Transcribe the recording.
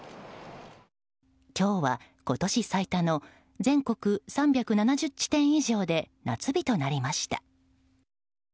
今日は今年最多の全国３７０地点以上で夏日となりました。